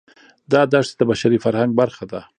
دا دښتې د بشري فرهنګ برخه ده.